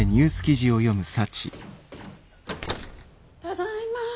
ただいま。